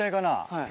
はい。